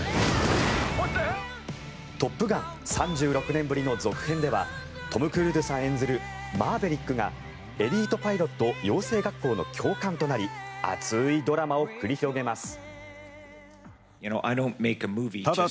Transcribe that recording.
３６年ぶりの続編ではトム・クルーズさん演じるマーヴェリックがエリートパイロット養成学校の教官となり熱いドラマを繰り広げます。